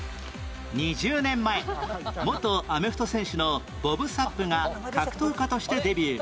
２０年前元アメフト選手のボブ・サップが格闘家としてデビュー